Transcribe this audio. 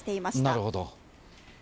なるほど。